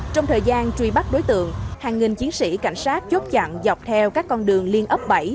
trong thời gian truy bắt đối tượng hàng nghìn chiến sĩ cảnh sát chốt chặn dọc theo các con đường liên ấp bảy